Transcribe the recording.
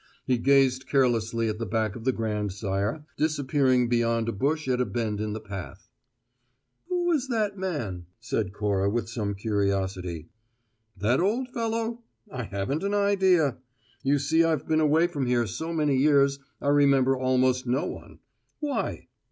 He gazed carelessly at the back of the grandsire, disappearing beyond a bush at a bend in the path. "Who was that man?" said Cora with some curiosity. "That old fellow? I haven't an idea. You see I've been away from here so many years I remember almost no one. Why?"